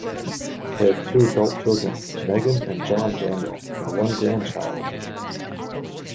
They have two adult children, Meghan and John Daniel, and one grandchild.